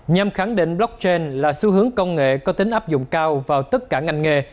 nhằm khẳng định blockchain là xu hướng công nghệ có tính áp dụng cao vào tất cả ngành nghề